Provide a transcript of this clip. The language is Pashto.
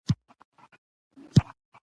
دا ځواک زموږ افکار يو له بل سره همغږي کوي.